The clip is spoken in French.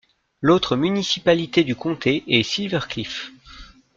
L'autre municipalité du comté est Silver Cliff.